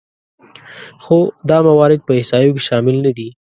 خو دا موارد په احصایو کې شامل نهدي